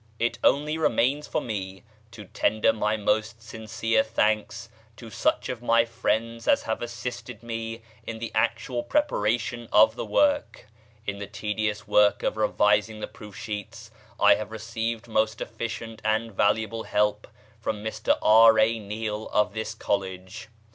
It only remains for me to tender my most sincere thanks to such of my friends as have assisted me in the actual preparation of the work. In the tedious work of revising the proof sheets I have received most efficient and valuable help from Mr R. A. Neil of this College.